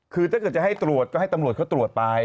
คือถ้าเกิดจะให้ตรวจก็ให้ตำรวจเขาตรวจไป